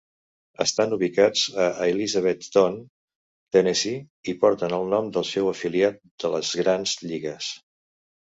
Estan ubicats a Elizabethton, Tennessee, i porten el nom del seu afiliat de les grans lligues.